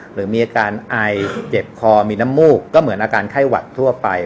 หรือมีอาการไอเจ็บคอมีน้ำมูกก็เหมือนอาการไข้หวัดทั่วไป